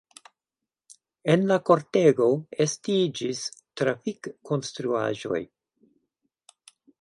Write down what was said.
En la kortego estiĝis trafik-konstruaĵoj.